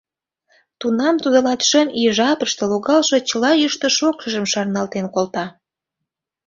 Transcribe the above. Тунам тудо латшым ий жапыште логалше чыла йӱштӧ-шокшыжым шарналтен колта.